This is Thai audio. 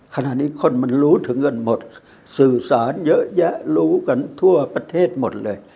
ขณะนี้คนมันรู้ถึงกันหมดสื่อสารเยอะแยะรู้กันทั่วประเทศหมดเลย